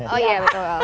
oh iya betul